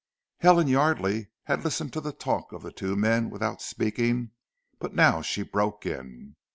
Helen Yardely had listened to the talk of the two men without speaking, but now she broke in.